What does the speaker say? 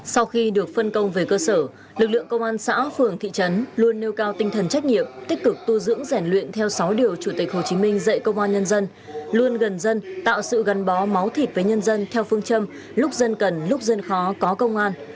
sau khi được phân công về cơ sở lực lượng công an xã phường thị trấn luôn nêu cao tinh thần trách nhiệm tích cực tu dưỡng rèn luyện theo sáu điều chủ tịch hồ chí minh dạy công an nhân dân luôn gần dân tạo sự gắn bó máu thịt với nhân dân theo phương châm lúc dân cần lúc dân khó có công an